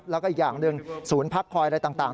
แล้วก็อีกอย่างหนึ่งศูนย์พักคอยอะไรต่าง